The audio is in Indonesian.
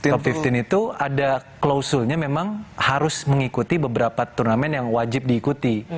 top lima belas itu ada klausulnya memang harus mengikuti beberapa turnamen yang wajib diikuti